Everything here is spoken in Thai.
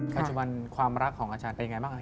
ปัจจุบันความรักของอาจารย์เป็นยังไงบ้าง